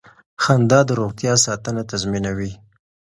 خندا د روغتیا ساتنه تضمینوي.